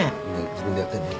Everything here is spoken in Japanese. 自分でやってね。